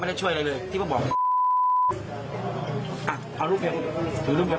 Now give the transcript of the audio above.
เมื่อยครับเมื่อยครับ